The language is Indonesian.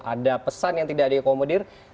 ada pesan yang tidak diakomodir